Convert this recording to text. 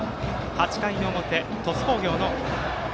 ８回の表、鳥栖工業。